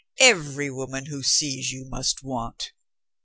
"Every woman who sees you must want."